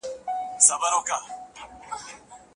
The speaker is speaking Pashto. ایا تکړه پلورونکي پسته ساتي؟